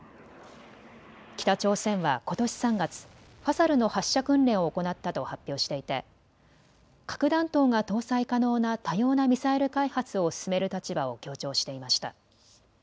北朝鮮はことし３月、ファサルの発射訓練を行ったと発表していて核弾頭が搭載可能な多様なミサイル開発を進める立場を強調していました。